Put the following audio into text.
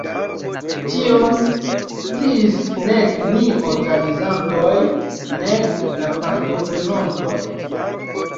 Tion sciis nek ni organizantoj, nek la partoprenontoj.